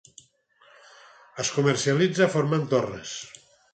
Es comercialitza formant torres.